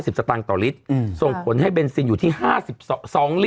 พี่โอ๊คบอกว่าเขินถ้าต้องเป็นเจ้าภาพเนี่ยไม่ไปร่วมงานคนอื่นอะได้